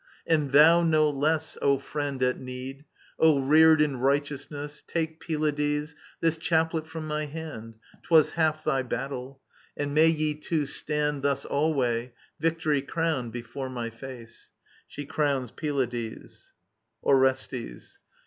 And thou no less, O friend at need, O reared in righteousness, Take, Pylades, this chaplct from my hand. *Twas half thy battle, "^nd may ye two stand Thus alway, victory crowned, before my face ! [Shi crowns Pylades. Orestes.